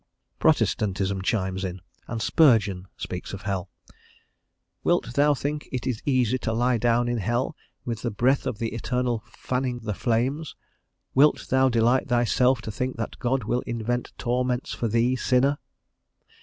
Protestantism chimes in, and Spurgeon speaks of hell: "Wilt thou think it is easy to lie down in hell, with the breath of the Eternal fanning the flames? Wilt thou delight thyself to think that God will invent torments for thee, sinner?"